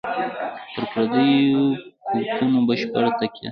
پر پردیو قوتونو بشپړه تکیه.